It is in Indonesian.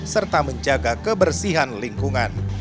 serta menjaga kebersihan lingkungan